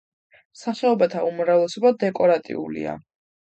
სახეობათა უმრავლესობა დეკორატიულია.